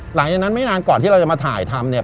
หลังจากนั้นไม่นานก่อนที่เราจะมาถ่ายทำเนี่ย